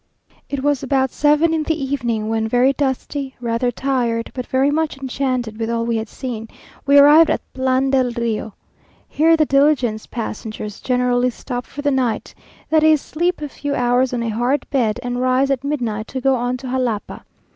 It was about seven in the evening, when very dusty, rather tired, but very much enchanted with all we had seen, we arrived at Plan del Rio. Here the diligence passengers generally stop for the night; that is, sleep a few hours on a hard bed, and rise at midnight to go on to Jalapa.